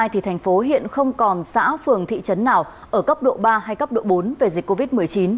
thành phố hiện không còn xã phường thị trấn nào ở cấp độ ba hay cấp độ bốn về dịch covid một mươi chín